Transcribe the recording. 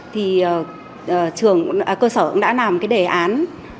thì cơ sở cũng đã làm cái đề án